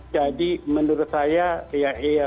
jadi menurut saya ya iya